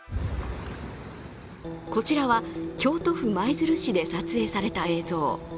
こちらは、京都府舞鶴市で撮影された映像。